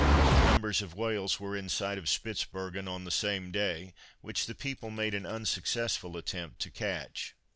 Numbers of whales were in sight of Spitzbergen on the same day, which the people made an unsuccessful attempt to catch.